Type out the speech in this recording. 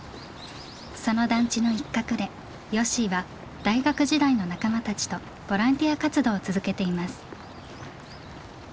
その団地の一角でよっしーは大学時代の仲間たちとボランティア活動を続けています。